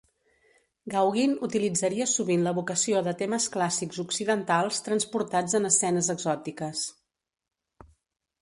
Gauguin utilitzaria sovint l'evocació de temes clàssics occidentals transportats en escenes exòtiques.